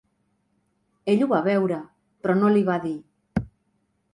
Ell ho va veure, però no l'hi va dir.